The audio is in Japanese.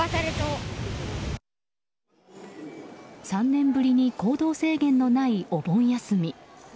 ３年ぶりに行動制限のないお盆休み。